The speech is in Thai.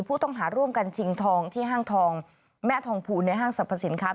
ผู้ต้องหาร่วมกันชิงทองที่ห้างทองแม่ทองภูลในห้างสรรพสินค้า